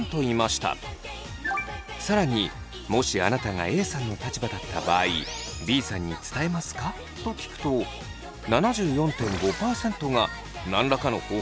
更にもしあなたがＡさんの立場だった場合「Ｂさんに伝えますか？」と聞くと７４．５％が何らかの方法で伝えると答えています。